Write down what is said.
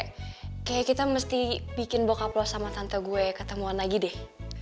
kayaknya kita mesti bikin boc uplose sama tante gue ketemuan lagi deh